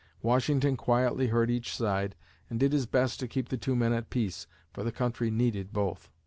Washington quietly heard each side and did his best to keep the two men at peace, for the country needed both.